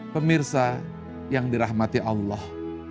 pemirsa yang dirahmati allah